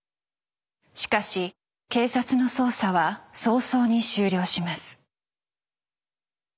しかし警察の捜査は早々に終了します。